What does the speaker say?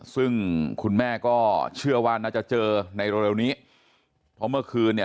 ซึ่งคุณแม่ก็เชื่อว่าน่าจะเจอในเร็วนี้เพราะเมื่อคืนเนี่ย